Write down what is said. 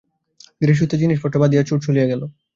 ধীরে সুস্থে জিনিষ পত্র বাঁধিয়া চোর চলিয়া গেল।